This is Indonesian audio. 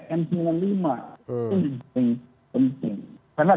mengapa memiliki pelayanan k hewan